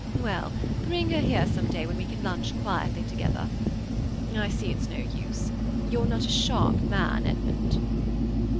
"Well, bring her here some day when we can lunch quietly together. I see it's no use. You're not a sharp man, Edmund."